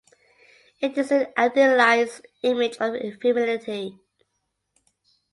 It is an idealised image of femininity.